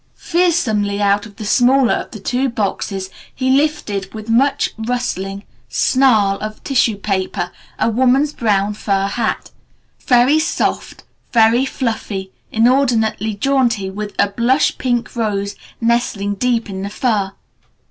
Fearsomely out of the smaller of the two boxes he lifted with much rustling snarl of tissue paper a woman's brown fur hat, very soft, very fluffy, inordinately jaunty with a blush pink rose nestling deep in the fur.